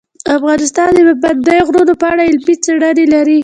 افغانستان د پابندی غرونه په اړه علمي څېړنې لري.